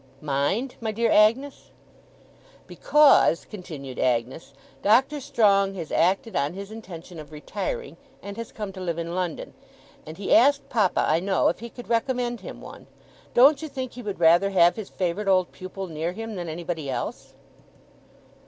'Mind, my dear Agnes?' 'Because,' continued Agnes, 'Doctor Strong has acted on his intention of retiring, and has come to live in London; and he asked papa, I know, if he could recommend him one. Don't you think he would rather have his favourite old pupil near him, than anybody else?